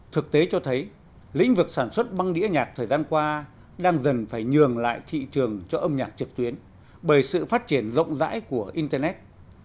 thực tế cho thấy lĩnh vực sản xuất băng đĩa nhạc thời gian qua đang dần phải nhường lại thị trường cho âm nhạc trực tuyến bởi sự phát triển rộng rãi của internet